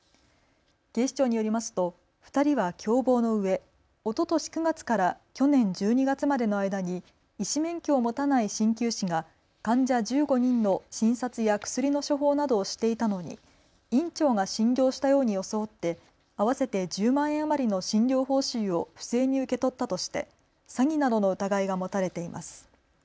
警視庁によりますと２人は共謀のうえ、おととし９月から去年１２月までの間に医師免許を持たないしんきゅう師が患者１５人の診察や薬の処方などをしていたのに院長が診療したように装って合わせて１０万円余りの診療報酬を不正に受け取ったとして詐欺などの疑いが持たれています。